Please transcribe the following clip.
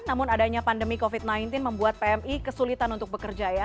namun adanya pandemi covid sembilan belas membuat pmi kesulitan untuk bekerja ya